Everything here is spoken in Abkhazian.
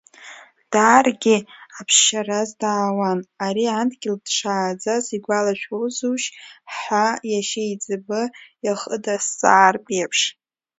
Дааргьы аԥсшьараз даауан, ари адгьыл дшааӡаз игәалашәозушь ҳәа, иашьеиҵбы ихы дазҵаартә еиԥш.